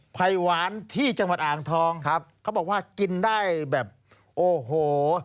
ไผ่หวานที่จังหวัดอ่างทองครับเขาบอกว่ากินได้แบบโอ้โห